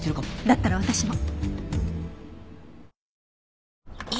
だったら私も。